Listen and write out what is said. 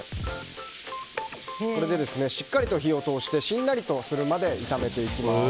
これでしっかりと火を通してしんなりとするまで炒めていきます。